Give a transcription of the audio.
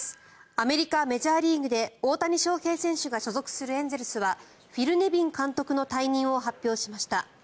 アメリカ・メジャーリーグで大谷翔平選手が所属するエンゼルスはフィル・ネビン監督の退任を発表しました。